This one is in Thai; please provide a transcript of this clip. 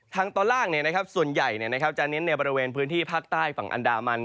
ทางตอนล่างส่วนใหญ่นึกจากในพื้นที่ภาคใต้ฝั่งอันดามัน